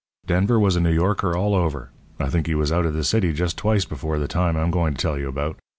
"Denver was a New Yorker all over. I think he was out of the city just twice before the time I'm going to tell you about.